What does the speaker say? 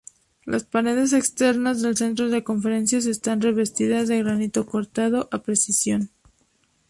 Las paredes externas del Centro de Conferencias están revestidas de granito cortado a precisión.